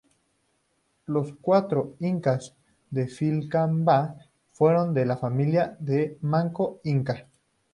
Los cuatro incas de Vilcabamba fueron de la familia de Manco Inca.